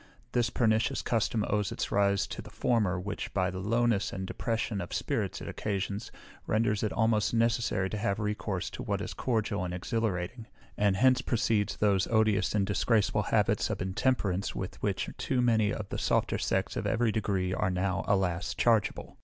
This pernicious custom owes its rise to the former, which, by the lowness and depression of spirits it occasions, renders it almost necessary to have recourse to what is cordial and exhilarating; and hence proceeds those odious and disgraceful habits of intemperance with which too many of the softer sex of every degree are now, alas! chargeable.